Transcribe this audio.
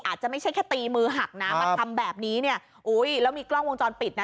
อาจจะไม่ใช่แค่ตีมือหักนะมาทำแบบนี้เนี่ยอุ้ยแล้วมีกล้องวงจรปิดนะ